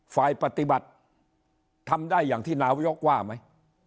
ฝ่ายปฏิบัติทำได้อย่างที่นายกว่าไหม